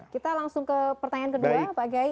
kita langsung ke pertanyaan kedua pak gai